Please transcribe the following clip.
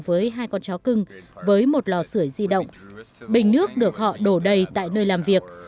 với hai con chó cưng với một lò sửa di động bình nước được họ đổ đầy tại nơi làm việc